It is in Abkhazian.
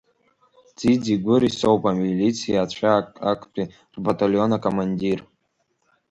Ӡиӡигәыри соуп, амилициацәа актәи рбаталион акомандир!